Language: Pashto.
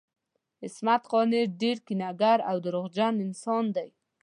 عصمت قانع ډیر کینه ګر او درواغجن انسان دی